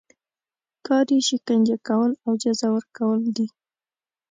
کار یې شکنجه کول او جزا ورکول دي.